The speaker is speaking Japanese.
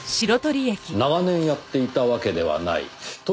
長年やっていたわけではない。というと。